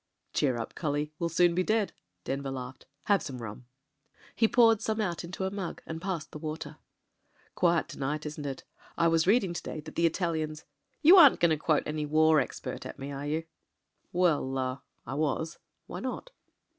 "Cheer up! cully, we'll soon be dead." Denver laughed. "Have some rum." He poured some out into a mug and passed the water. "Quiet to night — isn't it? I was reading to day that the Italians " "You aren't going to quote any war expert at me, are you?" 278 • MEN, WOMEN AND GUNS Well — er — I was : why not